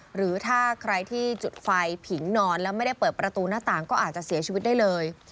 หรือถ้าใครที่จุดไฟผิงนอนแล้วไม่ได้เปิดประตูหน้าต่างก็อาจจะเสียชีวิตได้เลย